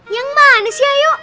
yang manis ya yuk